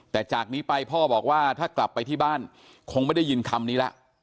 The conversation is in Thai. แต่จากนี้ไปพ่อบอกว่าถ้ากลับไปที่บ้านคงไม่ได้ยินคำนี้แล้ว